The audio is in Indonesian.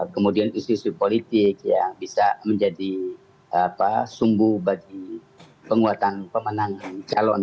kemudian istri istri politik yang bisa menjadi sumbu bagi penguatan pemenang calonnya